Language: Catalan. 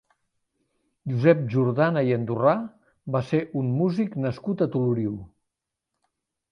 Josep Jordana i Andorrà va ser un músic nascut a Toloriu.